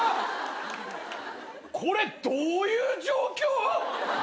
これどういう状況！？